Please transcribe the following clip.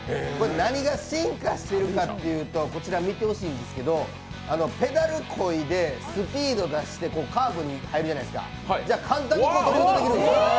何が進化しているかというとこちら見てほしいんですけどペダルこいで、スピード出してカーブに入るじゃないですか、簡単にドリフトできるんですよ。